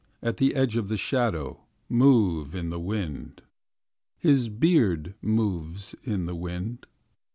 At the edge of the shadow. Move in the wind. His beard moves in the wind.